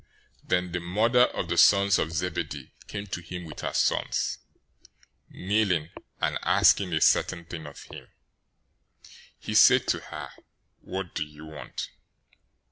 020:020 Then the mother of the sons of Zebedee came to him with her sons, kneeling and asking a certain thing of him. 020:021 He said to her, "What do you want?"